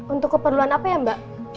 untuk keperluan apa ya mbak